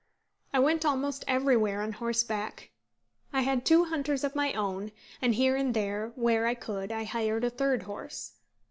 I went almost everywhere on horseback. I had two hunters of my own, and here and there, where I could, I hired a third horse.